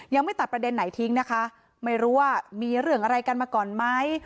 ยังไม่ตัดประเด็นไหนทิ้งนะคะไม่รู้ว่ามีเรื่องอะไรกันมาก่อนไหม